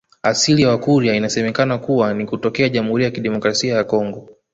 Asili ya Wakurya inasemekana kuwa ni kutokea Jamhuri ya Kidemokrasia ya Kongo